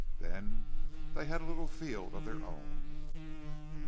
Then they had a little field of their own.